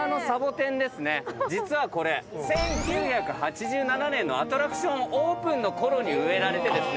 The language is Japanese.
実はこれ１９８７年のアトラクションオープンのころに植えられてですね